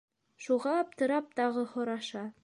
Шуға аптырап тағы һораша: